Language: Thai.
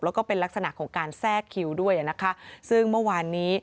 แล้วก็เป็นลักษณะของการแทรกคิวด้วยนะคะซึ่งเมื่อวานนี้